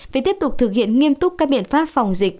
về tiếp tục thực hiện nghiêm túc các biện pháp phòng dịch